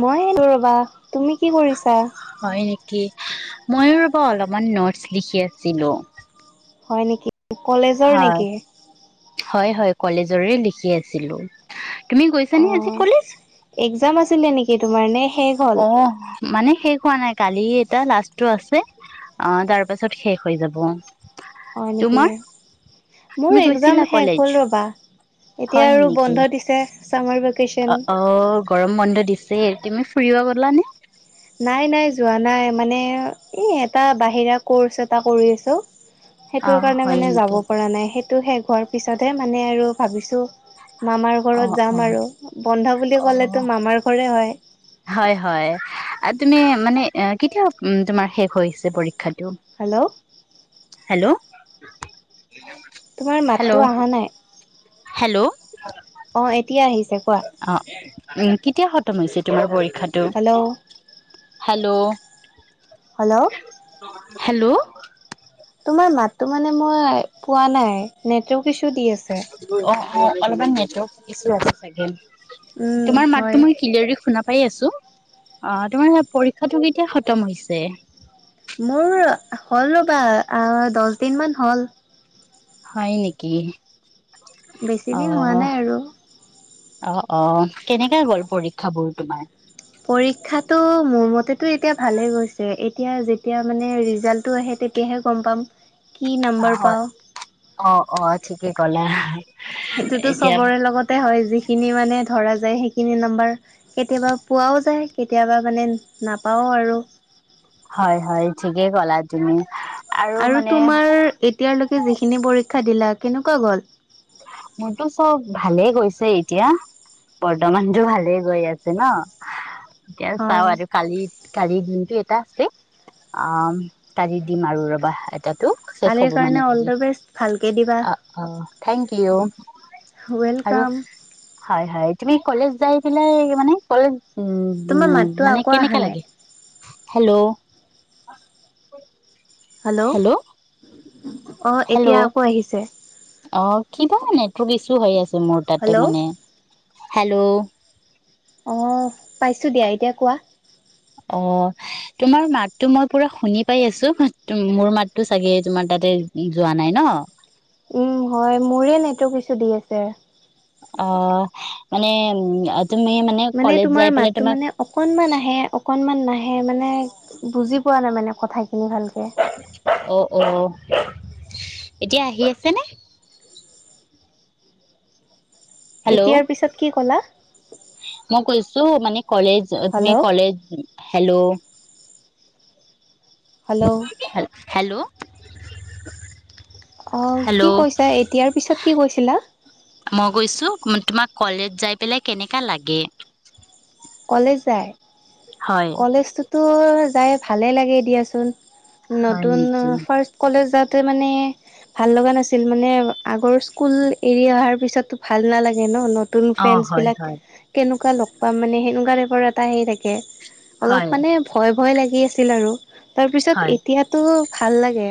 মই ৰবা, তুমি কি কৰিছা? মইয়ো ৰবা অলপমান নটছ লিখি আছিলো। হয়, নেকি? কলেজৰ হয়। নেকি? হয় হয় কলেজৰে লিখি আছিলো। তুমি অ গৈছানে আজি কলেজ। এক্জাম আছিলে নেকি তোমাৰ এনে অ মানে শেষ হোৱা নাই কালি এটা লাষ্টটো আছে, অ তাৰ পাছত শেষ হৈ যাব হয় নেকি? তোমাৰ তুমি মোৰ গৈছিলা একজাম শেষ কলেজ? হ'ল ৰবা, এতিয়া হয় আৰু নেকি বন্ধ দিছে। Summer vacation. অ অ গৰম বন্ধ দিছে। তুমি ফুৰিব গলানে? নাই নাই যোৱা নাই। মানে এই এটা বাহিৰা ক'ৰ্চ এটা কৰি আছোঁ। অ সেইটোৰ কাৰণে হয় মানে যাব নেকি পৰা নাই তো শেষ হোৱাৰ পিছতহে মানে আৰু ভাবিছোঁ। মামাৰ অ ঘৰত অ। যাম আৰু বন্ধ বুলি অ ক'লে তো মামাৰ ঘৰে হয় হয় হয় তুমি মানে কেতিয়া তোমাৰ শেষ হৈছে পৰীক্ষাটো হেল্ল' হেল্ল' তোমাৰ মাতটো হেল্ল' অহা নাই হেল্ল' অ এতিয়া আহিছে কোৱা অ উম কেতিয়া খতম হৈছে তোমাৰ পৰীক্ষা [unintelligible] হেল্ল' হেল্ল' হেল্ল' হেল্ল' তোমাৰ মাততো মানে মই পোৱা নাই নেটৱ'ৰ্ক বিছু দি আছে অ [unintelligible] অ অলপমান নেটৰ্ ইচ্যু আছে চাগে [unintelligible] উম তোমাৰ হয় মাততো মই কিলৰি শুনাম [unintelligible] পাই আছো, অ তোমাৰ পৰীক্ষাটো কেতিয়া খতম হৈছে মোৰ হ'ল ৰ'বা। দহ দিন মান হ'ল হয় নেকি অ বেছিদিন হোৱা নাই আৰু অ অ কেনেকে গ'ল পৰীক্ষাবোৰ তোমাৰ পৰীক্ষাটো মোৰ মতেতো এতিয়া ভালে হৈছে। এতিয়া যেতিয়া মানে ৰিজাল্টটো আহে তেতিয়াহে গম পাম [unintelligible] নাম্বাৰ হয়, পাওঁ অ অ ঠিকে কলা সেইটোতো এতিয়া চবৰে লগতে হয় যিখিনি মানে ধৰা যায় হেইখিনি নম্বৰ কেতিয়াবা পোৱা যায় কেতিয়াবা মানে নাপাওঁ আৰু [unintelligible] হয় হয় ঠিকেই ক'লা তুমি আৰু তোমাৰ এতিয়ালকে ত কি যিখিনি পৰীক্ষা দিলা কেনেকুৱা গ'ল মোৰতো চব ভালেই গৈছে এতিয়া বৰ্তমানতটো ভালেই গৈ আছে ন এতিয়া চাও হয়, আৰু কালি কালি এটা আছে অ কাজি দিম আৰু ৰবা এটা কালিৰ কাৰণে অল দা বেষ্ট ভালকে দিবা অ অ থেংক ইউ আৰু ৱেলকাম। হয় হয় তুমি কলেজ যাই পেলাই মানে কলেজ উম তোমাৰ মাতটো মানে আকৌ কেনেকা অহা নাই লাগে হেল্ল' হেল্ল' অঁ এতিয়া আকৌ আহিছে। কিব নে? কিছু হৈ আছে মোৰ তাতে হেল্ল'। মানে হেল্ল'। অ পাইছোঁ দিয়া এতিয়া কোৱা অ তোমাৰ মাতটোো মই পুৰা শুনি পাই আছো মোৰ মাতটো চাগে তোমাৰ তাতে যোৱা নাই ন। উম হয় মোৰে নেটো কিছু দি আছে। অ মানে উ। তুমি মানে কলেজ তোমাৰ যাই পেলাই মাতো মানে অকনমান আহে অ অকণমান নাহে মানে বুজি পোৱা নাই মানে কথ খিনি ভালকৈ অ অ এতিয়া আহি আছে ন হেল্ল' এতিয়াৰ পিছত কি ক'লা মই কৈছো মানে? কলেজ তুমি হেল্ল', কলেজ হেল্ল' হেল্ল'। েল হেল্ল' [inaudible] অ কি হেল্ল' কৈছা এতিয়াৰ পিছত কি কৈছিলা গৈছো তোমাক কলেজ যাই পেলাই কেনেকা লাগে কলে যায় হয় কলেজ তো যাই ভালেই লাগে দিয়াচোন হয় নতুন নেকি ফাৰ্ষ কলেজত ত মানে ভাল লগা নাছিল মানে আগৰ স্কুল এৰি অহাৰ পিছতো ভাল নালাগে ন ন নতুন অ ফ্ৰেণ্ড হয় বিলাক হয় কেনেকু কা লগ পা মানেই মুগা টাইপৰ এটা হে থাকে। অলপ হয় মানে ভয় ভয় লাগি আছে। ছিল আৰু তাৰপিছত হয় এতিয়াতো, ভাল লাগে।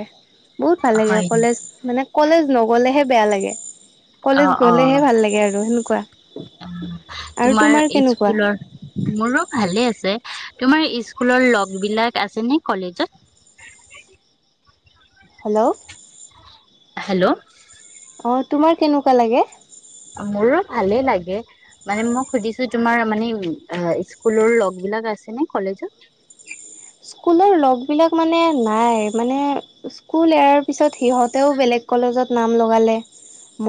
বহুত ভাল লাগে হয় কলেজ মানে কলেজ নগ'লেহে, বেয়া লাগে অ কলেজ অ গলেহে ভাল লাগে আৰু সেনেকুৱা আৰু তোমাৰ কেনেকুৱা মোৰো ভালেই তোমাৰ স্কুলৰ লগ বিলাক আছে নে কলেজত হেল্ল' হেল্ল' অ তোমাৰ কেনেকুৱা লাগে মোৰো ভালে লাগে মানে মই সুধিছো তোমাৰ মানে স্কুলৰ লগ বিলাক আছে নে কলেজত স্কুলৰ লগ বিলাক মানে নাই মানে স্কুল এয়াৰ পিছত সিহঁতেও বেলেগ কলেজত নাম লগালে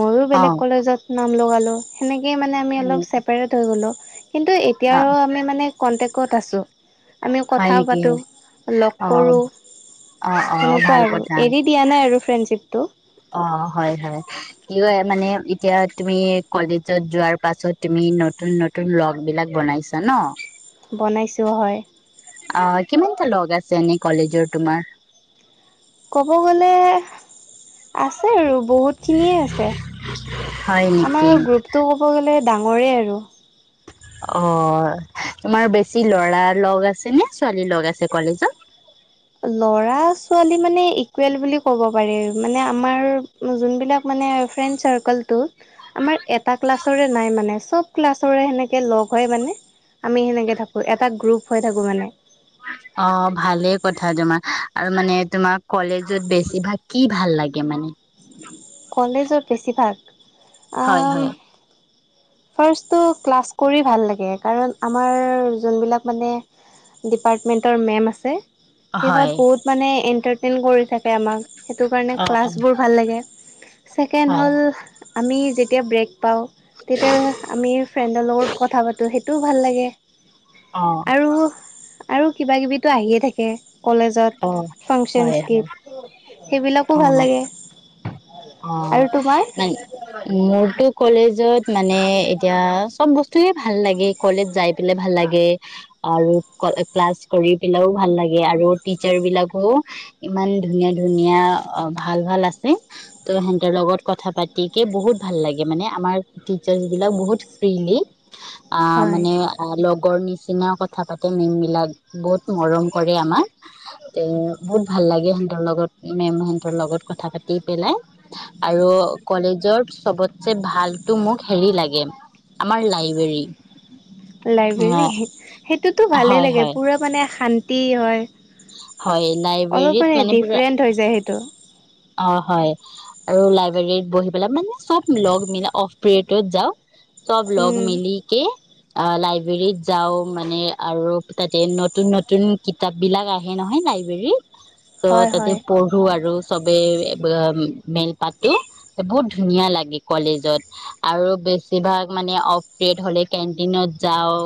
মইয়ো অ বেলেগ কলেজত নাম লগালো সেনেকে মানে আমি হয় অলপ নেকি চেপাৰেট হৈ গ'লোঁ কিন্তু এতিয়া অ বাৰু আমি মানে কণ্টেকত আছোঁ আমি হয় কথা নেকি পাত- টো লগ অ কৰোঁ অ অ তেনেকুৱা ভাল আৰু কথা এৰি দিয়া নাই আৰু ফ্ৰেণ্ডশ্বিপ তো অ হয় হয় কি কয় মানে এতিয়া তুমি কলেজত যোৱাৰ পাছত তুমি নতুন নতুন লগ বিলাক বনাইছা ন বনাইছোঁ হয় অ কিমানটা লগ আছে এনেই কলেজৰ তোমাৰ ক'ব গ'লে আছে আৰু বহুতখিনিয়ে আছে হয় আমাৰ নেকি গ্ৰুপটো ক'ব গ'লে ডাঙৰেই আৰু অ তোমাৰ বেছি ল'ৰা লগ আছে নে ছোৱালী লগ আছে কলেজত ল'ৰা ছোৱালী মানে ইকুৱেল বুলি ক'ব পাৰি মানে আমাৰ যোনবিলাক মানে ফ্ৰেণ্ড চাৰ্কলটো আমাৰ এটা ক্লাছৰে নাই মানে চব ক্লাছৰে সেনেকে লগ হয় মানে আমি সেনেকৈ থাকোঁ এটা গ্ৰুপ হৈ থাকোঁ মানে অ ভালেই কথা তোমাৰ আৰু মানে তোমাৰ কলেজত বেছিভাগ কি ভাল লাগে মানে কলেজত বেছিভাগ হয় হয় অ ফাৰ্ষ্টটো ক্লাছ কৰি ভাল লাগে কাৰণ আমাৰ যোনবিলাক মানে ডিপাৰ্টমেণ্টৰ মেম আছে হয় সিহত বুত মানে এণ্টা- টেন কৰি থাক বে আমাক সেইটো কাৰণে অ অ ক্লাছবোৰ ভাল লাগে ছেকেণ্ড হয় হ'ল আমি যেতিয়া ব্ৰেক পাওঁ তেতিয়া আমি ফ্ৰেণ্ডৰ লগত কথা পাতোঁ সেই- টোও ভাল লাগে অ'। আৰু আৰু কিবাকিবিতো আহিয়ে থাকে। অ কলেজত হয় ফাংচনস্ হয় গীফ্ট সেইবিলাকো ভাল অ', লাগে। আৰু অ', তোমাৰ ন মোৰটো কলেজ জত মানে এতিয়া চব বস্তুয়ে ভাল লাগে কলেজ যাই পেলাই ভাল লাগে আৰু ক্লাছ কৰি পেলাইও ভাল লাগে আৰু টিচাৰ বিলাকও ইমান ধুনীয়া ধুনীয়া ভাল ভাল আছে। ত' সিহঁতৰ লগত কথা পাতি কেে বহুত ভাল লাগে মানে আমাৰ টিচাৰ্চ বিলাক বহুত ফ্ৰলি অ', হয় মানে লগৰ নিচি নিচিনাও কথা পাতে মেম বিলাক বহুত মৰম কৰে আমাৰ তে বহুত ভাল লাগে সিহঁতৰ লগত মেম সিহতৰ লগত কথা পাতি পেলাই। আৰু কলেজৰ চবতছে ভালটো মোক হেৰি লাগে আমাৰ লাইব্ৰেৰী। লাইব্ৰেৰী সেইটোতো ভালে হয় লাগে হয় পুৰা মানে শান্ তি হয়। হয় অলপ লাইব্ৰেৰীত মানে পুৰা ডিফাৰেণ্ট হৈ যায় সেইটো। অ', হয় আৰু লাইব্ৰেৰীত বহি পেলাই মানে চব লগ মিলাই অফ পিৰিয়ডত যাওঁ। চব লগ উম মিলি কে অ', লাইব্ৰেৰীত যাওঁ মানে আৰু তাতে নতুন নতুন কিতাপ বিলাক আহে নহয় লাইব্ৰেৰীত। ত' হয় তাতে হয় পঢ়ো আৰু। চবে মেলপাতো বহুত ধুনীয়া লাগে কলেজত আৰু বেছিভাগ মানে অফ পিৰিয়ড হলে কেন্টিনত যাওঁ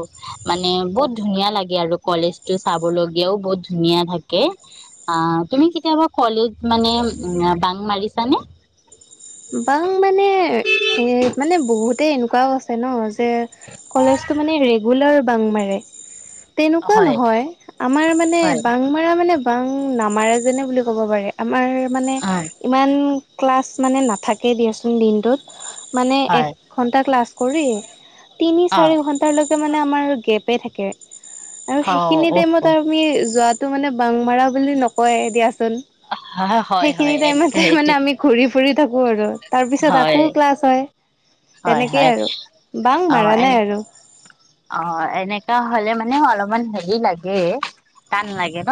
মানে বহুত ধুনীয়া লাগে আৰু কলেজতটো চাবলগীয়াও বহুত ধুনীয়া থাকে অ', তুমি কেতিয়াবা কলেজ মানে উ বাং মাৰিছানে? বা মানে মানে বহুত তে এনেকুৱাও আছে ন' যে কলেজটো মানে ৰেগুলাৰ বাং মাৰে। তেনেকুৱা হয় নহয় আমাৰ মানে হয় বাং মৰা মানে পাং নামাৰে যেনে বুলি ক'ব পাৰে আমাৰ। মানে ইমান ক্লাছ মানে নাথাকেই দিয়াচোন দিনটোত। মানে এক হয় ঘণ্টা ক্লাছ কৰি তিনি চাৰি অ ঘণ্টালৈ মানে আমাৰ আৰু গেপে থাকে। আৰু সেইখিনি অ টাইমত আমি যোৱাত টো মানে বাং মাৰা বুলি নকয় দিয়াচোন। হয় সেইখিনি হয় টাইমতে এনেকে মানে আমি ঘূৰি থাকো আৰু তাৰ পিছত হয় আকৌ ক্লাছ হয়। হয় তেনেকেই হয় আৰু বাং অ মাৰা এনে নাই আৰু। অ এনেকা হলে মানে অলপমান হেৰি লাগে। টান লাগে ন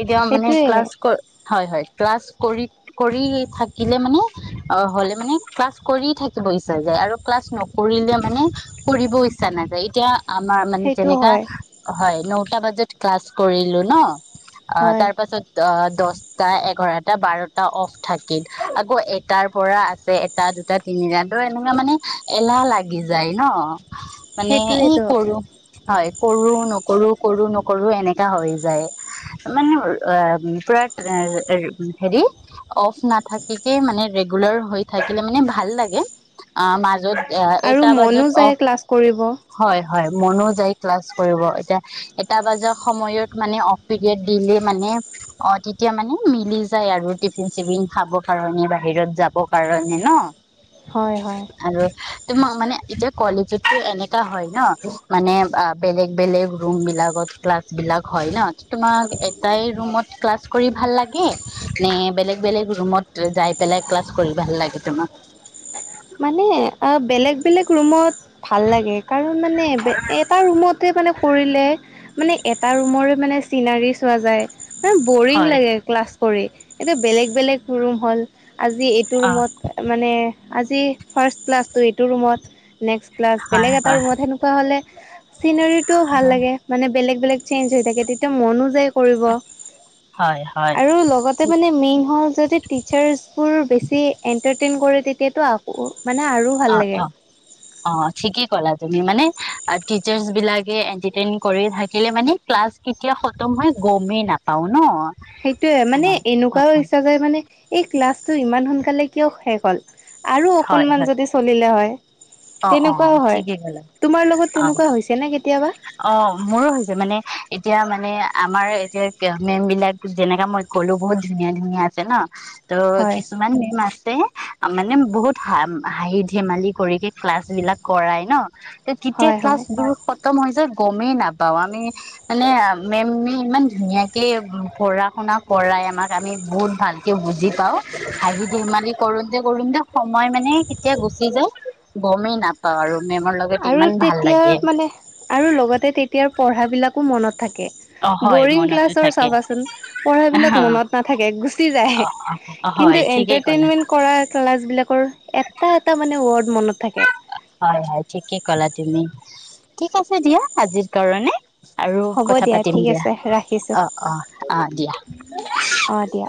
এতিয়া মানে সেইটোৱে ক্লাছ ক'ত হয় হয়। ক্লাছ কৰি কৰি থাকিলে মানে অ হ'লে মানে ক্লাছ কৰি থাকিব ইচ্ছা যায় আৰু ক্লাছ নকৰিলে মানে কৰিব ইচ্ছা নাযায়। তিয়া। আমাৰ মানে সেইটো যেনেকা হয় হয় ন। এটা বজাত ক্লাছ কৰিলো ন। অ হয় তাৰপাছত অ। দছটা এঘাৰটা বাৰটা অফ থাকিল আকৌ এটাৰ পৰা আছে এটা দুটা তিনিটা তো এনেকুৱা মানে এলাহ লাগি যায় ন। মানে। ই সেইটোৱেতো। কৰো। হয় কৰোঁ নকৰোঁ কৰোঁ নকৰোঁ এনেকা হৈ যায় মানে পুৰা হেৰি অফ নাথাকিকে মানে ৰেগুলাৰ হৈ থাকিলে মানে ভাল লাগে অ মাজত। আৰু এটা বাজত মনো অফ যায় ক্লাছ কৰিব। হয় হয় মনো যায় ক্লাছ কৰিব এতিয়া এটা বজাৰ সময়ত মানে অফ পিৰিয়ড দিলে মানে অ তেতিয়া মানে মিলি যায় আৰু টিফিন চিফিন খাব কাৰণে বাহিৰত যাব কাৰণে ন। হয় হয়। আৰু তোমাক মানে এতিয়া। কলেজতো এনেক। হয় ন মানে বেলেগ বেলেগ ৰুম বিলাকত ক্লাছ বিলাক হয় ন তোমাক এটাই ৰুমত ক্লাছ কৰি ভাল লাগে নে বেলেগ বেলেগ ৰুমত যাই পেলাই ক্লাছ কৰি ভাল লাগে তোমাক। মানে বেলেগ বেলেগ ৰুমত। ভাল লাগে কাৰণ মানে এটা ৰুমতে মানে। কৰিলে মানে এটা ৰুমৰে মানে চিনাৰী চোৱা যায়। এ বৰিং হয় লাগে ক্লাছ। কৰে এতিয়া বেলেগ বেলেগ ৰুম হ'ল। আজি এইটো অ ৰুমত মানে আজি ফাৰ্ষ্ট ক্লাছটো এইটো ৰুমত। নে্সট ক্লা হয় বেলেগ এটা ৰুমত সেনেকুৱা হ'লে চিনেৰিতটোও ভাল লাগে মানে বেলেগ বেলেগ চেঞ্জ হৈ থাকে তেতিয়া মনো যায় কৰিব হয় হয় হয় আৰু লগতে মানে মেইন হ'ল যদি টিচাৰছবোৰ বেছি এণ্টাৰটেইন কৰে তেতিয়া তো আকৌ মানে আৰু ভাল অ লাগে। অ অ ঠিকেই কলা যিমানে টিচাৰ্চ বিলাকে এটাৰটেইন কৰি থাকিলে মানে ক্লাছ কেতিয়া খতম হৈ গমেই নাপাও ন সেইটোয়ে মানে অ অ এনেকুৱাও ইচ্ছা যায় মানে এই ক্লাছটো ইমান সোনকালে কিয় শেষ হ'ল। আৰু হয় অকণমান হয় যদি চলিলে হয়। অ অ অ তেনেকুৱাও হয়। ঠিকে কলা তোমাৰ লগত অ তেনেকুৱা হৈছে নে কেতিয়াবা? অ মোৰো হৈছে মানে এতিয়া মানে আমাৰ এতিয়া মেম বিলাক যেনেকা মই কলো বহুত ধুনীয়া ধুনীয়া আছে ন। ত' হয়, কিছুমান মেম আছে মানে বহুত হ হাঁহি ধেমালি কৰি ক্লাছ বিলাক কৰাই ন। ত কেতিয়া হয়, ক্লাছ হয়। দৰ খতম হৈ যায়। গমেই নাপাও আমি মানে মেমি ইমান ধুনীয়াকে পঢ়া শুনা কৰাই আমাক আমি বহুত ভালকে বুজি পাও হাঁহি ধেমালি কৰোতে কৰোতে যে সময় মানে কেতিয়া গুচি যায় গমেই নাপাওঁ আৰু। মেমৰ লগত আৰু ইমান ভাল লাগে তেতিয়াৰ মানে আৰু লগতে তেতিয়াৰ পঢ়াবিলাকো মনত থাকে অ হয় বৰিং মনতো ক্লাছৰ থাকে চাবাচোন পঢ়াবিলাক মনত নাথাকে গুচি যায় অ হয় কিন্তু ঠিকেই ক'লা এণ্টাৰটেইনমেণ্ট কৰা ক্লাছবিলাকৰ এটা এটা মানে ৱৰ্ড মনত থাকে। হয় হয় ঠিকে ক'লা তুমি। থিক আছে দিয়া আজিৰ কাৰণে আৰু হ'ব কথা পাতিম ঠিক দিয়া আছে ৰাখিছোঁ অ অ আহ দিয়া। অ' দিয়া।